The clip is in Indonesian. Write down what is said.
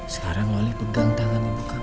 sekarang loli pegang tangan ibu kamu